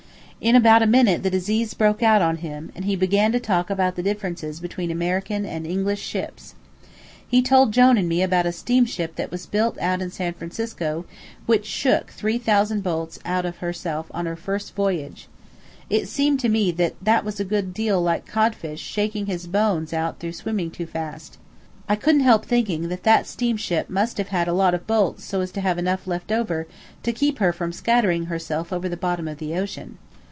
In about a minute the disease broke out on him, and he began to talk about the differences between American and English ships. He told Jone and me about a steamship that was built out in San Francisco which shook three thousand bolts out of herself on her first voyage. It seemed to me that that was a good deal like a codfish shaking his bones out through swimming too fast. I couldn't help thinking that that steamship must have had a lot of bolts so as to have enough left to keep her from scattering herself over the bottom of the ocean.